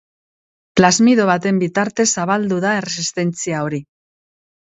Plasmido baten bitartez zabaldu da erresistentzia hori.